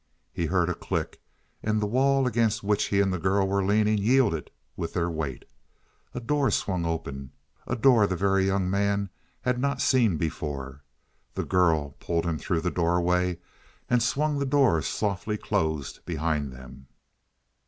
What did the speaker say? He heard a click and the wall against which he and the girl were leaning yielded with their weight. A door swung open a door the Very Young Man had not seen before. The girl pulled him through the doorway, and swung the door softly closed behind them.